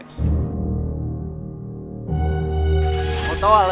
tidak ada yang bisa mengatakan